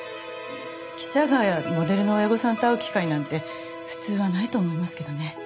記者がモデルの親御さんと会う機会なんて普通はないと思いますけどね。